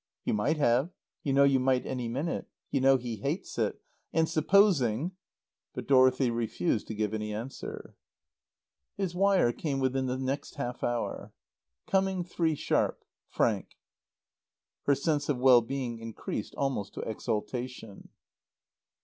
"You might have. You know you might any minute. You know he hates it. And supposing " But Dorothy refused to give any answer. His wire came within the next half hour. "Coming three sharp. FRANK." Her sense of well being increased almost to exaltation.